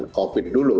dan covid dulu